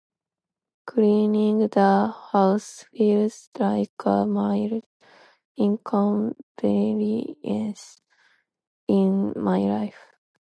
Cleaning the house feels like a mild inconvenience in my life.